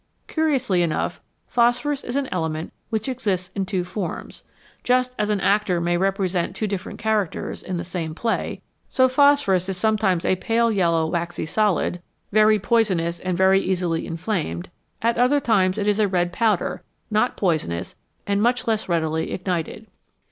Curiously enough, phosphorus is an element which exists in two forms. Just as an actor may represent two different characters in the same play, so phosphorus is sometimes a pale yellow, 123 HOW FIRE IS MADE waxy solid, very poisonous and very easily inflamed ; at other times it is a red powder, not poisonous, and much less readily ignited.